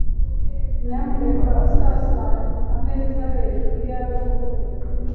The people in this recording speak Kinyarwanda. Nyamuneka sasa ameza hejuru yubu buryo.